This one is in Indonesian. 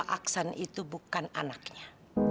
aksan itu bukan anaknya